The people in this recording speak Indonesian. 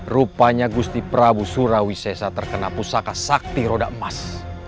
rupanya gusti prabu surawisesa terkena pusaka sakti roda emas